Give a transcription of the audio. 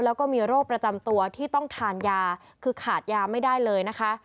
แล้วก็มีโรคประจำตัวที่ต้องทานยาคือขาดยาไม่ได้เลยนะคะ